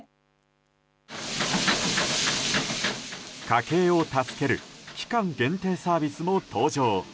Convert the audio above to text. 家計を助ける期間限定サービスも登場。